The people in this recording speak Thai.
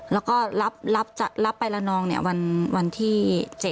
แล้วก็รับไปละนองวันที่๗